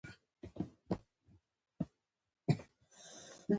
لون وولف لاهم راتلونکي ته نږدې نه و